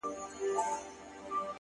هغه ولس چي د ;